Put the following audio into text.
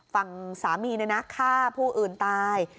ฟังสามีเลยนะค่ะผู้อื่นตาม